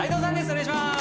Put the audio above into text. お願いしまーす